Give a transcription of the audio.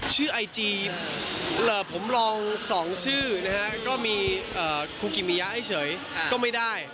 ชื่อไอจีผมลอง๒ชื่อนะฮะก็มีคูกิมิยะให้เฉยก็ไม่ได้